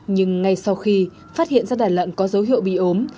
nhưng ngay sau khi phát hiện ra đàn lợn có dấu hiệu bị ốm